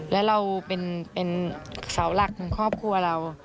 แล้วเราเป็นเสาหลักของครอบครัวเรา